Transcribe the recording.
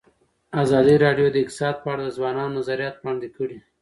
ازادي راډیو د اقتصاد په اړه د ځوانانو نظریات وړاندې کړي.